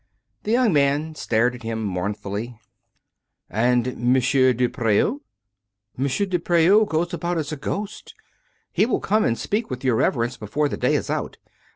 The young man stared at him mournfully. "AndM. dePreau?" " M. de Preau goes about as a ghost. He will come and speak with your Reverence before the day is out.